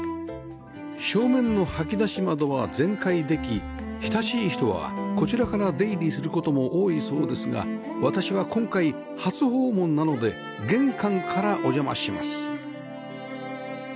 正面の掃き出し窓は全開でき親しい人はこちらから出入りする事も多いそうですが私は今回初訪問なので玄関からお邪魔します